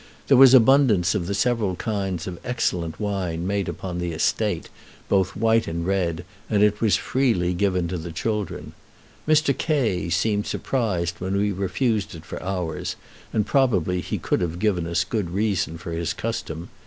There was abundance of the several kinds of excellent wine made upon the estate, both white and red, and it was freely given to the children. Mr. K seemed surprised when we refused it for ours; and probably he could have given us good reason for his custom.